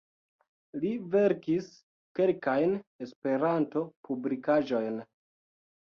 Li verkis kelkajn Esperanto-publikaĵojn.